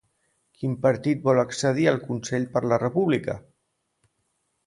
Quin partit vol accedir al Consell per la República?